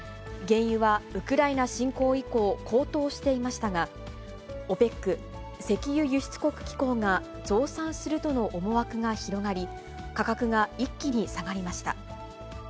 原油はウクライナ侵攻以降、高騰していましたが、ＯＰＥＣ・石油輸出国機構が増産するとの思惑が広がり、価格が一気に下がりました。